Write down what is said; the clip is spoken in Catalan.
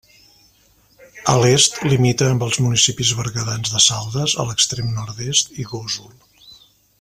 A l'est, limita amb els municipis berguedans de Saldes, a l'extrem nord-est, i Gósol.